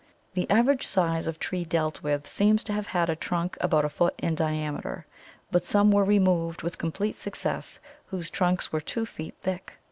The average size of tree dealt with seems to have had a trunk about a foot in diameter, but some were removed with complete success whose trunks were two feet thick.